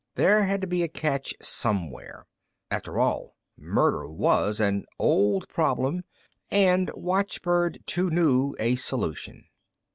There had to be a catch somewhere. After all, murder was an old problem, and watchbird too new a solution.